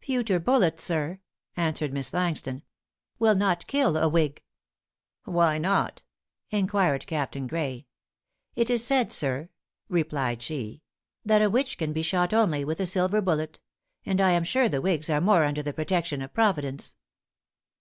"Pewter bullets, sir," answered Miss Langston, "will not kill a whig." "Why not?" inquired Captain Gray. "It is said, sir," replied she, "that a witch can be shot only with a silver bullet; and I am sure the whigs are more under the protection of Providence."